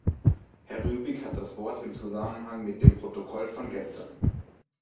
Herr Rübig hat das Wort im Zusammenhang mit dem Protokoll von gestern.